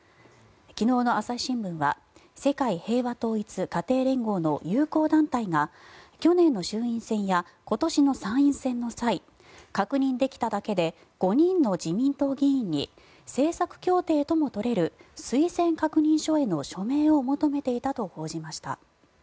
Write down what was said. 昨日の朝日新聞は世界平和統一家庭連合の友好団体が去年の衆院選や今年の参院選の際確認できただけで５人の自民党議員に政策協定とも取れる推薦確認書への署名を求めていたと報じました。